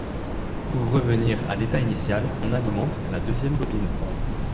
Pour revenir à l'état initial, on alimente la deuxième bobine.